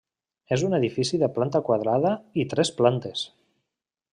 És un edifici de planta quadrada i tres plantes.